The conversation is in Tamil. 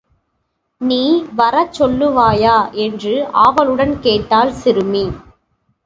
நீ வரச் சொல்லுவாயா? என்று ஆவலுடன் கேட்டாள் சிறுமி.